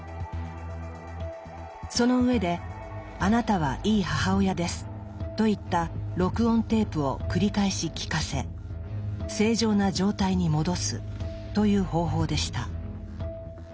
その上で「あなたは良い母親です」といった録音テープを繰り返し聞かせ正常な状態に戻すという方法でした。